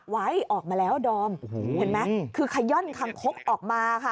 ไว้ออกมาแล้วดอมโอ้โหเห็นไหมคือขย่อนคังคกออกมาค่ะ